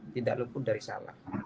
tidak luput dari salah